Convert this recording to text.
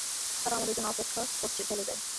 তারা আমাদের জন্য অপেক্ষা করছে, চলো যাই।